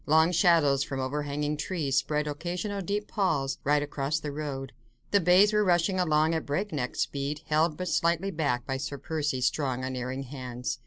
Long shadows from overhanging trees spread occasional deep palls right across the road. The bays were rushing along at breakneck speed, held but slightly back by Sir Percy's strong, unerring hands.